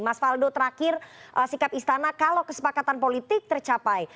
mas faldo terakhir sikap istana kalau kesepakatan politik tercapai